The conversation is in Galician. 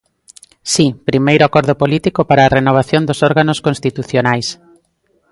Si, primeiro acordo político para a renovación dos órganos constitucionais.